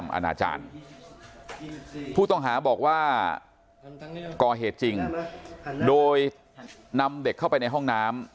อาณาจารย์ผู้ต้องหาบอกว่าก่อเหตุจริงโดยนำเด็กเข้าไปในห้องน้ำ